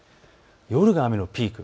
夜が雨のピーク。